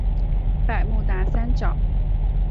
百慕达三角。